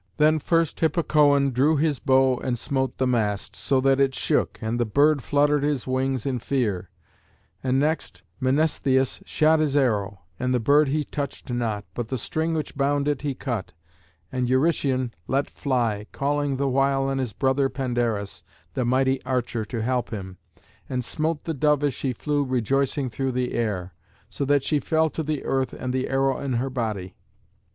Then first Hippocoön drew his bow and smote the mast, so that it shook, and the bird fluttered his wings in fear; and next Mnestheus shot his arrow, and the bird he touched not, but the string which bound it he cut; and Eurytion let fly, calling the while on his brother Pandarus, the mighty archer, to help him, and smote the dove as she flew rejoicing through the air, so that she fell to the earth and the arrow in her body.